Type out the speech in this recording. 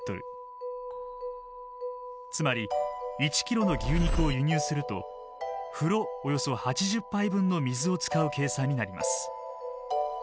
つまり１ｋｇの牛肉を輸入すると風呂およそ８０杯分の水を使う計算になります。